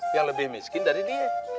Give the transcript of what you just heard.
yang lebih miskin dari dia